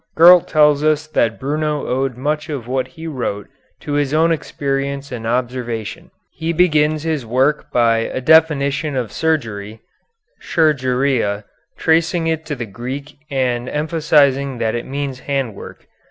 Gurlt tells us that Bruno owed much of what he wrote to his own experience and observation. He begins his work by a definition of surgery, chirurgia, tracing it to the Greek and emphasizing that it means handwork.